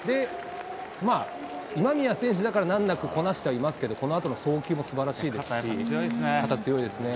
まあ、今宮選手だから難なくこなしてはいますけれども、このあとの送球も素晴らしいですし、肩強いですね。